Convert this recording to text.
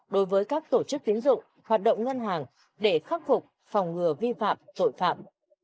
đối với các tổ chức tiến dụng hoạt động ngân hàng để khắc phục phòng ngừa vi phạm tội phạm